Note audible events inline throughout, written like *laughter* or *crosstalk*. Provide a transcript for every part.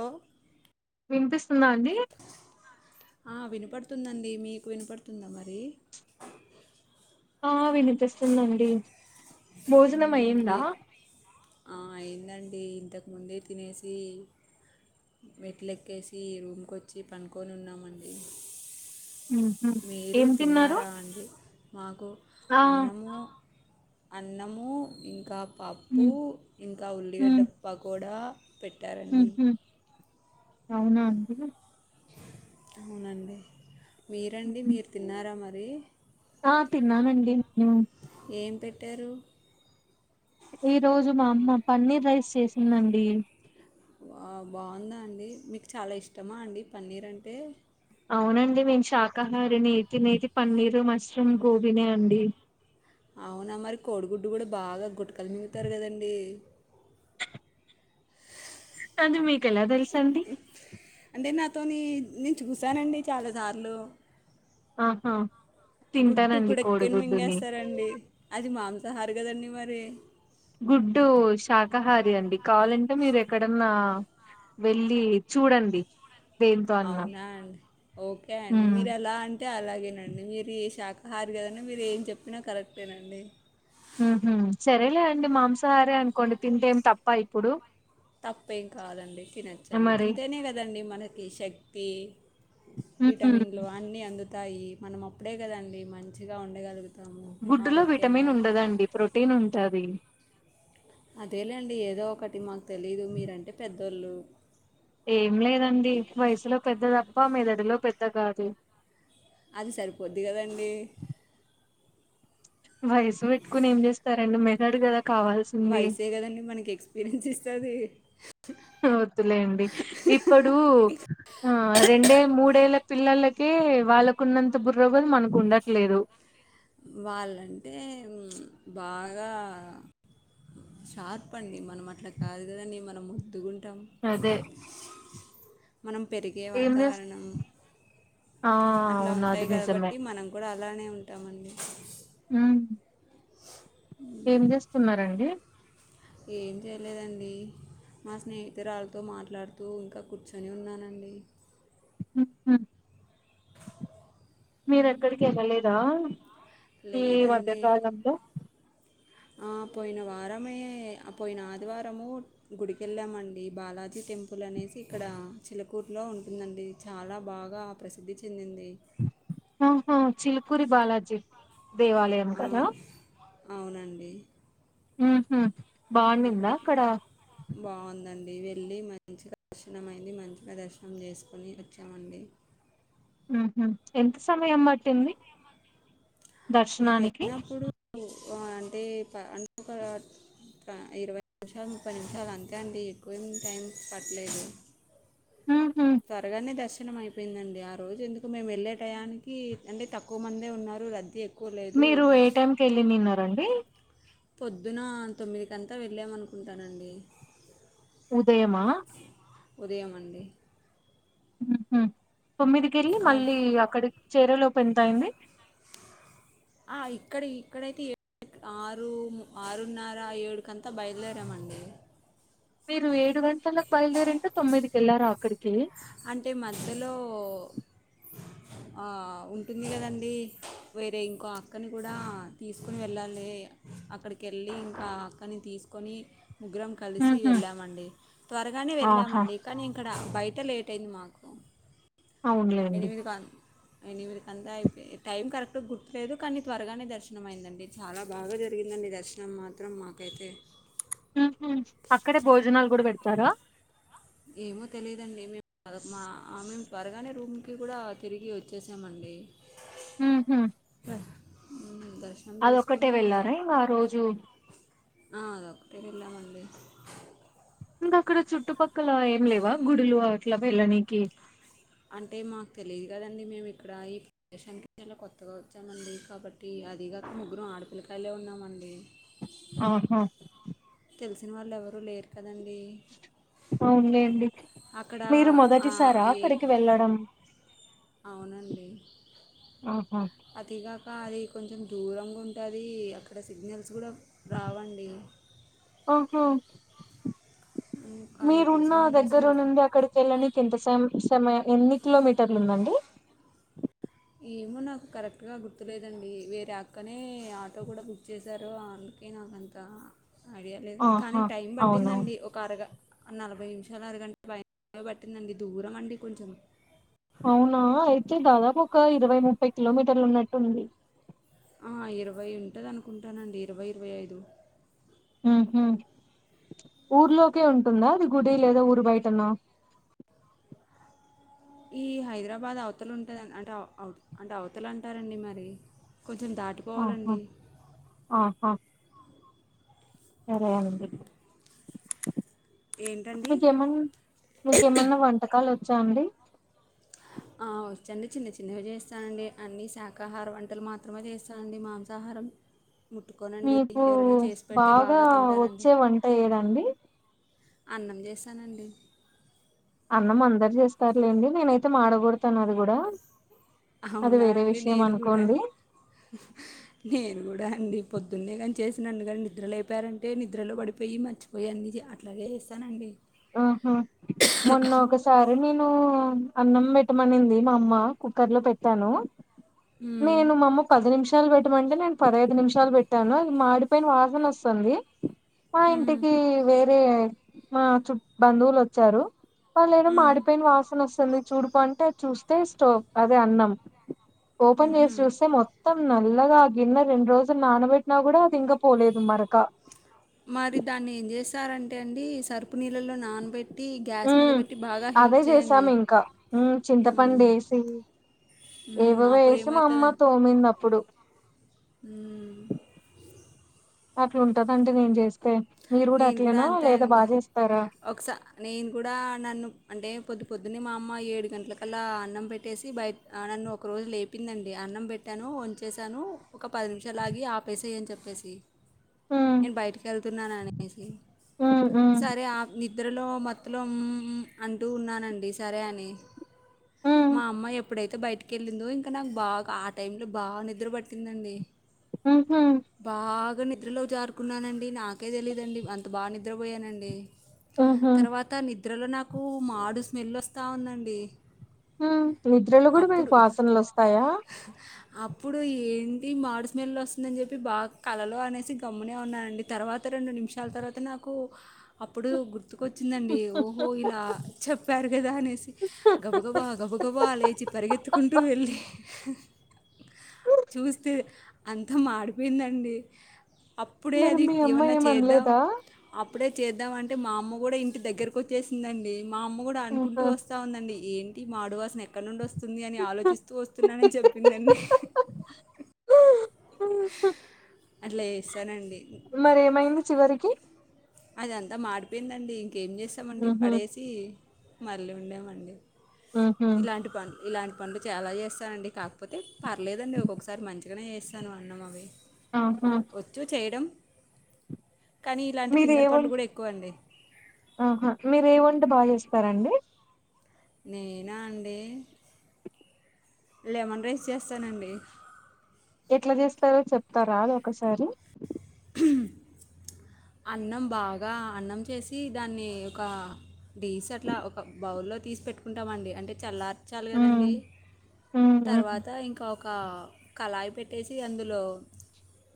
ఓ వినిపిస్తుందా అండి ఆ వినపడుతుందండి మీకు వినపడుతుందా మరి ఆ వినిపిస్తుందండి భోజనం మ్మ్, అయిందా ఏ ఆ అయిందండి ఇంతకుముందే తినేసి మేట్లెక్కేసి రూమ్కొచ్చి పనుకొని ఉన్నామండి ఉహు మీరు ఏం తిన్నారు తిన్నారా అండి మాకు ఆ అన్నము అన్నము ఇంకా పప్పు ఉహు ఇంకా ఉల్లిగడ్డ పకోడా పెట్టారండి ఉహు అవునా అండి అవునండి మీరండి హుహు. మీరు తిన్నారా మరి ఆ తిన్నానండి ను ట్టారు ఈ రోజు మా అమ్మ పన్నీర్ రైస్ చేసిందండి బాగుందా అండి మీకు చాలా ఇష్టమా అండి పన్నీర్ అంటే అవునండి మేము శాకాహార నేతినేది పన్నీర్ మష్రూమ్ గోబీ నే అండి అవునా మరి కోడిగుడ్డు కూడా బాగా గుటకలు మింగుతారు కదండి అనీ మీకెలా తెలుసండి అంటే నాతోని నేను చూసానండి చాలా సార్లు ఆహా గుడ్డు తింటానండి గుడెక్కని కోడిగుడ్డుని మింగేస్తారండి అది మాంసాహారి కదండి మరి గుడ్డు శాకాహారి అండి కావాలంటే మీరు ఎక్కడన్నా వెళ్లి చూడండి దేంతో అన్నా అవునా అండి ఓకే అండి హ్మ్. మీరు ఎలా అంటే అలాగేనండి మీరి శాఖ హారి కదండి మీరు ఏం చెప్పినా కరెక్టేనండి ఉహు సరేలే అండి మాంసాహారే అనుకోండి తింటేం తప్ప ఇప్పుడు తప్పేం కాదండి హ్మ్. తినచ్చండి మరి. తింటేనే కదండి మనకి శక్తి హ్మ్. విటమిన్లు అన్నీ అందుతాయి మనం అప్పుడే కదా అండి మంచిగా ఉండగలుగు గుడ్డులో విటమిన్ ఉండదండి ప్రోటీన్ ఉంటాది అదేలేండి ఏదో ఒకటి మాకు తెలీదు మీరంటే పెద్దోళ్ళు ఏం లేదండి వయసులో పెద్ద తప్పా మేదడులో పెద్ద కాదు అది సరిపోద్ది కదండి వయసు పెట్టుకొని ఏం చేస్తారండి మెదడు కదా కావాల్సింది. వయసే కదండి మనకి ఎక్స్పీరియన్స్ ఇస్తది వద్దులెండి ఇప్పుడు ఆ రెండే మూడేళ్ల పిల్లలకే కె వాళ్ళకున్నంత బుర్రోగుల మనకు ఉండట్లేదు వాళ్ళంటే బాగా షార్ప్ అండి మనం అట్లా కాదు కదని మనం ముద్దుగుంటాం అదే మనం పెరిగే ఏం చేస్ వాతావరణం ఆ! అట్లా అవును అది ఉంటాయి నిజమే. కాబట్టి మనం కూడా అలానే ఉంటామండి ఉ ఏం చేస్తున్నారండి ఏం చేయలేదండి మా స్నేహితురళ్రాలతో మాట్లాడుతూ ఇంకా కూర్చొని ఉన్నానండి హ మ్మ్ మీర్ ఎక్కడికి వెళ్ళలేదా ఈ లేదండి మధ్యకాలంలో పోయిన వారమే పోయిన ఆదివారము గుడికెళ్ళామండి బాలాజీ టెంపుల్ అనేసి ఇక్కడ చిలకూరులో ఉంటుందండి చాలా బాగా ప్రసిద్ధి చెందింది ఆహ చిల్కురి బాలాజీ దేవాలయం ఆ, కదా అవునండి ఉహమ్ అక్కడికి బాగుందండి అండి వెళ్ళి మంచిగా దర్శనమైంది మంచిగా దర్శనం చేసుకుొని వచ్చామండి ఉహ ఎంత సమయం మట్టింది మేము వెళ్ళినప్పుడు అంటే ఆ క ఒక ఇరవై నిమిషాలు ముప్పై నిమిషాలు అంతే అండి ఎక్కువెం టైం పట్టలేదు ఉహు త్వరగానే దర్శనం అయిపో అయిపోయిందండి ఆ రోజు ఎందుకు మేము వెళ్ళే టయానికి అంటే తక్కువ మందే ఉన్నారు రద్దీ ఎక్కువ లేదు మీరు ఏ టైంకి వెళ్ళినిన్నారండి పొద్దున తొమ్మిది గంటలకు వెళ్ళామనుకుంటానండి ఉదయమా ఉదయమండి తొమ్మిదికిెళ్ళి కా మళ్ళీ అక్కడి చెరేలోప్ ఎంత అయింది ఆ ఇక్కడ ఇక్కడైతే ఏ ఆరు ఆరున్నర ఏడుకంతా బయలుదేరామండి మీరు ఏడు గంటలకు బయలుదేరి అంటే తొమ్మిైదికి వెళ్లారా అక్కడికి అంటే మధ్యలో *inaudible* ఆ ఉంటుంది కదండి వేరే ఇంకో అక్కని కూడా తీసుకుని వెళ్ళాలి అక్కడికి వెళ్ళి ఇంకా అక్కని తీసుకొని ముగ్గురం కలిసి ఉహు వెళ్ళామండి త్వరగానే ఆహా వెళ్ళామండి కానీ ఇక్కడ బయట లే టెన్మాకు అవునులే అండి అయినవరికంతా అయి టైమ్ కరెక్ట్ గుర్త్లేదు కానీ త్వరగానే దర్శనం అయిందండి చాలా బాగా జరిగింది దర్శనం మాత్రం మాకైతే ఉహూ అక్కడే భోజనాలు కూడా పెడతారా ఏమో తెలిదండి మే ఆ మేము త్వరగానే రూమ్ కి కూడా తిరిగి వచ్చేసామండి ఉహు *inaudible* అది ఒక్కటే చేసుకొని వెళ్లారా ఇగ ఆ రోజు ఆ అదొక్కటే వెళ్ళమండి ఇంకా అక్కడ చుట్టుపక్కల ఏం లేవా గుడులు అట్లా వెళ్ళనికి అంటే మాకు తెలిదు కదండి మేము ఇక్కడ ఈ ప్రదేశనికి కి చ కొత్తగా వచ్చామండి కాబట్టి అది కాక ముగ్గురం ఆడపిల్లకాయలే ఉన్నామండి ఆహా తెలిసిన వాళ్ళు ఎవరు లేరు కదండి అవులేండి అక్కడ మీరు ఆ- మొదటిసారా అయ్యే అక్కడికి వెళ్ళడం అవునండి ఆహా అతిగాక్ కా అది కొంచెం దూరంగా ఉంటది అక్కడ సిగ్నల్స్ కూడా రావండి అహా ఉమ్, మీరున్న అందుకోసం దగ్గర అనేసి నుంది అక్కడికి వెళ్ళనికి ఎంత స సమయం ఎన్ని కిలోమీటర్లు ఉందండి ఏమో నాకు కరెక్ట్గా గుర్తులేదండి వేరే అక్కనే ఆటో కూడా బుక్ కుడా చేశారు అమే కి నా నాకంత ఐడియలేదు కానీ ఆహా టైం అవునా పట్టిందండి ఒక అరగం నలభై నిమిషాలు అరగంట పైనే పట్టిందండి దూరం అండి కొంచెం అవునా అయితే దాదాపు ఒక ఇరవై ముప్పై కిలోమీటర్లు ఉన్నట్టుంది ఆ ఇరవై ఉంటదనుకుంటానండి ఇరవై ఇరవై ఐదు మ్ హూ ఊర్లోకే ఉంటుందా అది గుడి లేదా ఊరి బయటనా *inaudible* ఈ హైదరాబాద్ అవతలుంటందం అంటే అ అవ్ అంటే అవ్తల‌ అంటారండి మరి కొంచెం దాటి ఆహా పోవాలండి ఆహా సరే అండి ఏంటండి మీకేమన్నా మీకేమన్నా వంటకాలు వచ్చా అండి ఆ, వచ్చండి చిన్న చిన్నవి చేస్తానండి అన్ని శాకాహార వంటలు మాత్రమే చేస్తానండి మాంసాహారం ముట్టుకోనండి మీకు ఎవరైనా చేసి పెడితే బాగా తింటానండి వచ్చే వంట ఏదండి అన్నం చేస్తనండి అన్నం అందరు చేస్తారులేండి నేనైతే మాడగోడుతాను అది కూడా అది అవునా వేరే అండి విషయం నేను కూడా అనుకోండి నేను కూడా అండి పొద్దున్నే కాని చేసినను కానీ నిద్రలేపారంటే నిద్రలో పడిపోయి మర్చిపోయి అన్ని చ్ అట్లాగే చేస్తానండి ఆహా మొన్న ఒకసారి నేన్ ను అన్నం పెట్టమనింది మా అమ్మ కుక్కర్ లో పెట్టాను మ్మ్. నేను మమ్మ పది నిమిషాలు బెట్ టమంటే నేను పదహైదు నిమిషాలు పెట్టాను ఇది మాడిపోయిన వాసనోస్థంది మా మ్మ్. ఇంటికి వేరే మా చు బంధువులు వచ్చారు ఆల్లేదో మ్మ్. మాడిపోయిన వాసన వస్తుంది చూడుపో అంటే అది చూస్తే స్టోవ్ అదే అన్నం ఓపెన్ చేసి మ్మ్. చూస్తే మొత్తం నల్లగా ఆ గిన్న రెండు రోజులు నానబెట్టినా కూడా అది ఇంగ పోలేదు మరక మరి దాన్ని ఏం చేస్తారంటే అండి సరుపు నీళ్ళలో నానబెట్ మ్ అదే చేసాం ఇంకా మ్మ్. చింతపడేసి మ్మ్, ఏవేవో అప్పుడు ఏసి మా అమ్మ తోమిందప్పుడు మ్ అట్లుంటదండి నేను చేస్తే మీరు నేను కూడా అట్లేనా అంతే లేదా అండి బాగా చేస్తారా ఒకస నేను కూడా నన్ను అంటే పొద్దు పొద్దున్నే మా అమ్మ ఏడు గంటలకల్లా అన్నం పెట్టేసి బయట నన్ను ఒక రోజు లేపిందండి అన్నం పెట్టాను వంచేసాను ఒక పది నిమిషాలు ఆగి ఆపేసేయ్యి అని చెప్పేసి ఉమ్ నేను బయటికేళ్తున్నాను అనేసి ఉమ్ ఉమ్ సరే ఆఫ్ నిద్రలో మొత్తలో మ్ మ్ అంటూ ఉన్నానండి సరే అని ఉమ్ మా అమ్మయి ఎప్పుడైతే బయటి కెళ్ళిందో ఇంక నాకు బాగా ఆ టైమ్ లో బాగా నిద్ర పట్టిందండి ఉహ్మ్ బగా నిద్రలో జారుకున్నానండి నాకే తెలీయదండి అంత బా నిద్రపోయానండి ఉహూ తర్వాత నిద్రలో నాకు మాడు స్మెల్ ఓస్తా ఉందండి హ్మ్ నిద్రలో కూడ మీకు అప్పుడు వాసనలు వస్తాయా అప్పుడు ఏంటి మాడు స్మెల్లు వస్తుందని చెప్పి బాగా కలలో అనేసి గమ్మునే ఉన్నానండి తర్వాత రెండు నిమ్ షాల తర్వత నాకు అప్పుడు గుర్ గుర్తుకొచ్చిందండి ఓహో ఇల చెప్పారు కదా అనేసి గబగబా గబగబా లేచి పరిగెత్తుకుంటూ వెళ్ళి చూస్తే అంత మాడిపోయిందండి అప్పుడే అది ఎవన్న చేద్ పా అప్పుడే చేద్దాం అంటే మా అమ్మ కూడ ఇంటి దగ్గరకు వచ్చేసిందండి మా అమ్మ కూడ అనుకుంటూ ఆహా వస్తావుందండి ఏంటి మాడువాసన ఎక్కడ నుండి వస్ స్తుంది అని ఆలోచిస్తూ వస్తున్నానని చెప్పిందండి అట్లా చేస్తానండి మరేమైంది చివరికి అది అంత మాడిపోయిందండి ఇంకేం చేస్తామండి ఉహు పడేసి మళ్ళీ వండామండి ఉహు ఇలాంటి పని ఇలాంటి పనులు చాల చేస్తానండి కాకపోతే పర్లేదండి ఒక్కొక్కసారి మంచిగనే చేస్తాను అన్నాం అవి ఆహా వచ్చు చేయడం కనీ మీర ఎవన్ ఆహా మీర ఎ వంట బా చేస్తారండి నేనా అండి లెమన్ రైస్ చేస్తానండి ఎట్ల చేస్తారో చెప్తార అది ఒకసారి హ్మ్ అన్నం బాగ అన్నం చేసి దాన్ని ఒక డీస్ అట్ల ఒక బౌల్లో తీస్ పెట్టుకుంటమండీ అంటే చల్లార్చాల్ ఉమ్ కదండి ఉమ్ ఉమ్ తర్వాత ఇంకా ఒక కళాయి పెట్టేసి అందులో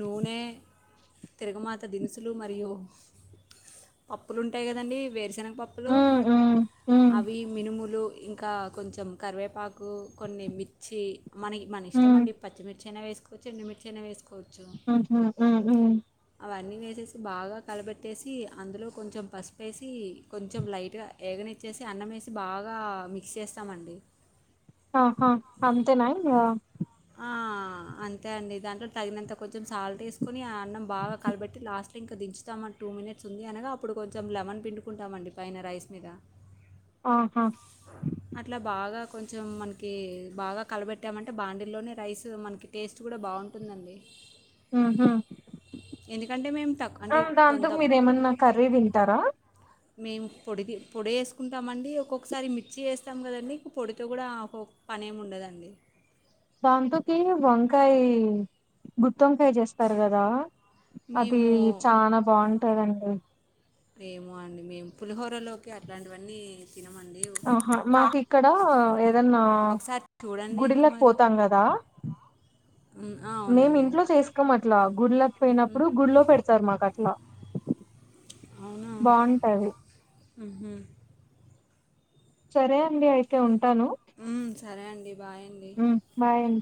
నూనె తిరగమాత దినుసులు మరియు పప్పులుంటాయి కదండీ వేరుశెన పప్పులు ఉమ్ ఉమ్ అవి మినుములు ఇంకా కొంచెం కరివేపాక్ కు కొన్ని మిచ్చి మ మన ఇష్టం ఉమ్ అండి పచ్చి మిచ్చి అయిన వేసుకోచ్చు ఎండు మిచ్చి ఆయన వేసుకో ఉహ్మ్ ఉహ్మ్ హ్మ్ మేసిస్ బాగా కలబెట్టేసి అందులో కొంచెం పసుపేసి కొంచెం లైట్ గ ఎగనిచ్చేసి అన్నం ఏసీ బాగ మిక్స్ చేస్తామండి ఆహా అంతేన ఇంగ *inaudible* అంతే అండి దాంట్లో తగినంత కొంచెం సాల్ట్ వేసుకుని అన్నం బాగ కలబెట్టి లాస్ట్లో ఇంకా దించుతాం అంటు టు మినిట్స్ ఉంది అనగ అప్పుడు కొంచెం లెమన్ పిండుకుంటామండి పైన రైస్ మీద ఆహా అట్ల బాగ కొంచెం మనకి బాగ కలబెట్టామంటే బాండి ఇలోనే రైస్ మనకి టేస్ట్ కూడ బాగుంటుందండి ఉహ్మ్ ఎందుకంటే మేము తక్కువ అంటే ఆ దాంతో కొంత మీర ఏమన్న కర్రీ తింటరా మేము పొడి పొడి పోడేసుకుంటమండి ఒక్కొక్కసారి మిర్చి వేస్తాం కదండి ఇ పొడితో కూడా పోప్ పనేమి ఉండదండి దంతోకి వంకాయ గుత్ తొంకాయ చేస్తారు కదా అది మేము చాన బాగుంటాందండి ఏమో అండి మేము పులిహోరలోకి అట్లాంటివన్నీ తినమండి ఆహా మాకు ఇక్కడ ఏదన్నా ఒకసారి చూడండి ఇంక గుడిలోకి మరి పోతాం కదా ఉమ్, ఆ, మేము అవునండి ఇంట్లో చేసుకోం అట్లా గుళ్ళకి పోయినప్పుడు గుళ్లో పెడుతారు మాకు అట్లా అవునా బాగుంటది మ్ హు సరే అండి అయితే ఉం మ్ సరే అండి బాయండి హ్మ్. బాయ్ అండి